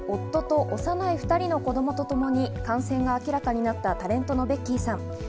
さらにこちら、先月、夫と幼い２人の子供とともに感染が明らかになったタレントのベッキーさん。